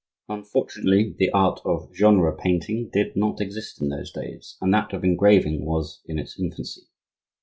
Unfortunately, the art of genre painting did not exist in those days, and that of engraving was in its infancy.